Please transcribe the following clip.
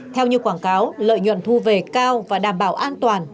theo như quảng cáo lợi nhuận thu về cao và đảm bảo an toàn